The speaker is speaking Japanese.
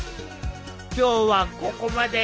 今日はここまで！